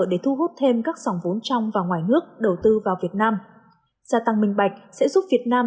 để thu hút thêm các dòng vốn trong và ngoài nước đầu tư vào việt nam gia tăng minh bạch sẽ giúp việt nam